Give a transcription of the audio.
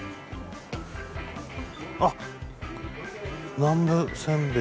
あっ南部せんべい